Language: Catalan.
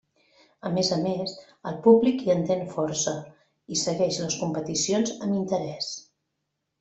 A més a més, el públic hi entén força i segueix les competicions amb interès.